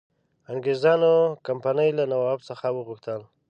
انګرېزانو کمپنی له نواب څخه وغوښتل.